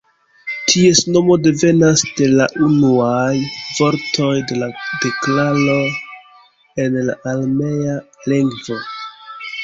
Ties nomo devenas de la unuaj vortoj de la deklaro en la aramea lingvo.